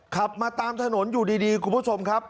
ขับมาตามถนนอยู่ดีคุณผู้ชมครับ